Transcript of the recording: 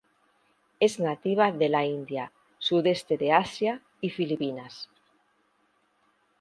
Es nativa de la India, Sudeste de Asia y Filipinas.